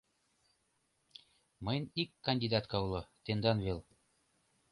Мыйын ик кандидатка уло: тендан вел...